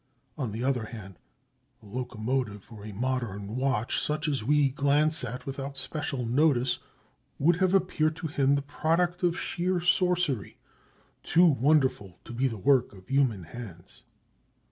On the other hand, a locomotive or a modern watch, such as we glance at without special notice, would have appeared to him the product of sheer sorcery, too wonderful to be the work of human hands.